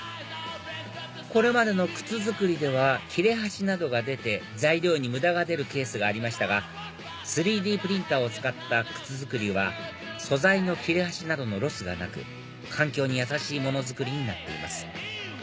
これまでの靴作りでは切れ端などが出て材料に無駄が出るケースがありましたが３Ｄプリンターを使った靴作りは素材の切れ端などのロスがなく環境にやさしい物作りになっています